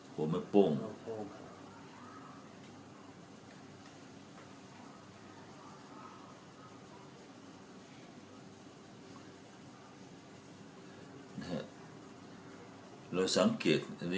หัวแม่ป้ม